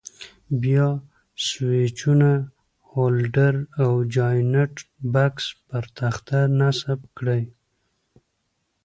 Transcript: بیا سویچونه، هولډر او جاینټ بکس پر تخته نصب کړئ.